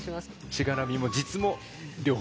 しがらみも実も両方。